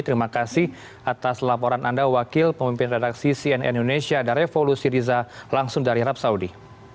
terima kasih atas laporan anda wakil pemimpin redaksi cnn indonesia dan revolusi riza langsung dari arab saudi